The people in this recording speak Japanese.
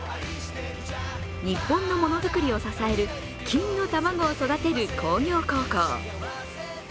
日本の物作りを支える金の卵を育てる工業高校。